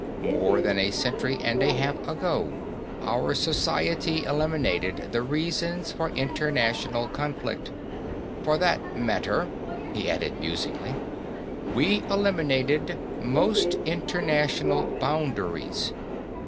More than a century and a half ago our society eliminated the reasons for international conflict. For that matter," he added musingly, "we eliminated most international boundaries.